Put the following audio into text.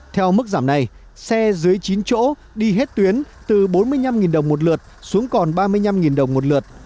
theo mức giảm này xe dưới chín chỗ đi hết tuyến từ bốn mươi năm đồng một lượt xuống còn ba mươi năm đồng một lượt